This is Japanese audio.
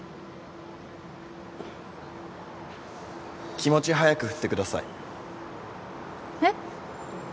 気持ち早く振ってくださいえっ？